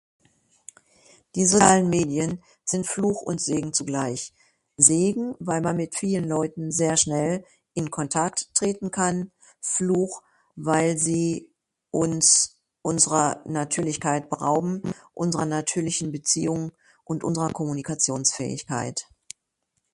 Die sonalen Medien sind Fluch und Segen zugleich. Segen weil man mit vielen Leuten sehr schnell in Kontakt treten kann. Fluch weil Sie uns unserer Natürlichkeit berauben, unserer natürlichen Beziehungen und unserer Kommunikationsfähigkeit.